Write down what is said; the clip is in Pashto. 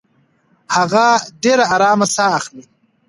هغه ډېره ارامه ساه اخلي.